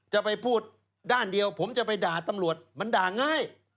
จะไปพูดด้านเดียวผมจะไปด่าตำรวจมันด่าง่าย